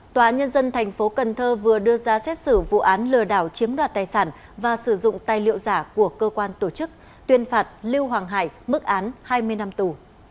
tòa nhân dân tp cn vừa đưa ra xét xử vụ án lừa đảo chiếm đoạt tài sản và sử dụng tài liệu giả của cơ quan tổ chức tuyên phạt lưu hoàng hải bức án hai mươi năm tù